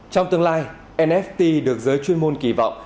trong tương lai nft được giới chuyên môn kỳ vọng